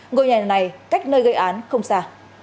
ngôi nhà này cách nơi gây án không xa